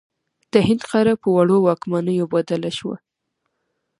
د هند قاره په وړو واکمنیو بدله شوه.